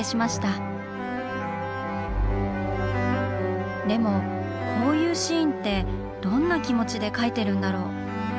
でもこういうシーンってどんな気持ちで描いてるんだろう？